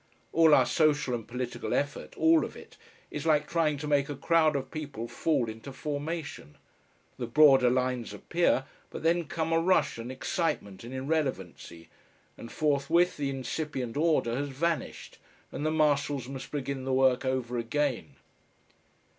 All our social and political effort, all of it, is like trying to make a crowd of people fall into formation. The broader lines appear, but then come a rush and excitement and irrelevancy, and forthwith the incipient order has vanished and the marshals must begin the work over again!